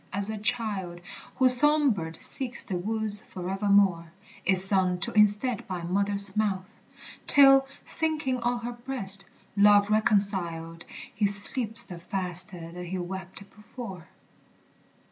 As a child Whose song bird seeks the woods forevermore, Is sung to instead by mother's mouth; Till, sinking on her breast, love reconciled, He sleeps the faster that he wept before.